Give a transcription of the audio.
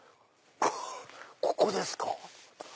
ここですか？